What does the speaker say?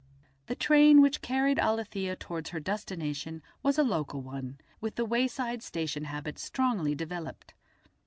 The train which carried Alethia towards her destination was a local one, with the wayside station habit strongly developed.